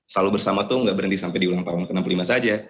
selalu bersama tuh nggak berhenti sampai di ulang tahun ke enam puluh lima saja